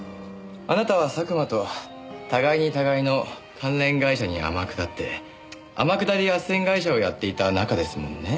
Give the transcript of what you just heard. あなたは佐久間と互いに互いの関連会社に天下って天下り斡旋会社をやっていた仲ですもんね。